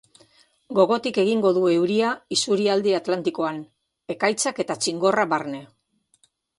Gogotik egingo du euria isurialde atlantikoan, ekaitzak eta txingorra barne.